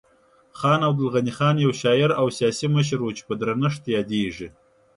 خان عبدالغني خان یو شاعر او سیاسي مشر و چې په درنښت یادیږي.